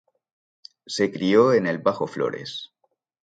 Se crio en el Bajo Flores.